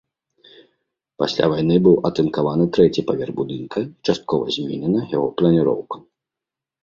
Пасля вайны быў атынкаваны трэці паверх будынка і часткова зменена яго планіроўка.